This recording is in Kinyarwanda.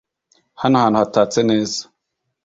Hano hantu hatatse neza.